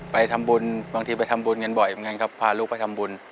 ไปทำบุญบางทีไปทำบุญกันบ่อยเหมือนกันครับพาลูกไปทำบุญ